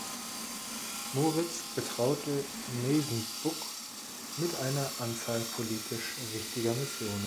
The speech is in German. Moritz betraute Meysenbug mit einer Anzahl politisch wichtiger Missionen.